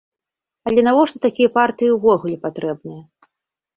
Але навошта такія партыі ўвогуле патрэбныя?